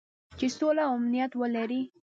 چې سوله او امنیت ولري.